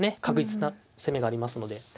確実な攻めがありますので。